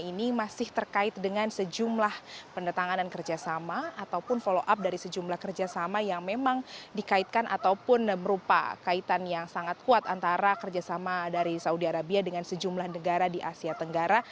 ini masih terkait dengan sejumlah pendatanganan kerjasama ataupun follow up dari sejumlah kerjasama yang memang dikaitkan ataupun merupakan kaitan yang sangat kuat antara kerjasama dari saudi arabia dengan sejumlah negara di asia tenggara